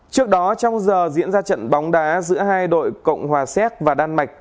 trước đó trong giờ diễn ra trận bóng đá giữa hai đội cộng hòa séc và đan mạch